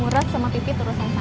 murat sama pipit urus yang baik